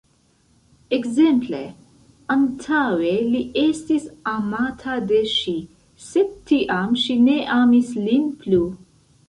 Ekz: Antaŭe li estis amata de ŝi, sed tiam ŝi ne amis lin plu.